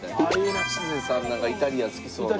吉瀬さんなんかイタリアン好きそうな。